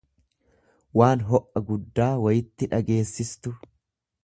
waan o'a guddaa wayitti dhageessistu.